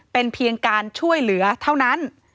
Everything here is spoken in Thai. เป็นเพียงการช่วยเหลือเท่านั้น